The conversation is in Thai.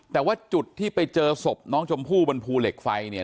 แต่ว่าจุดที่ไปเจอศพน้องชมพู่บนภูเหล็กไฟเนี่ย